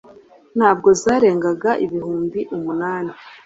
ntabwo zarengaga ibihumbi umunani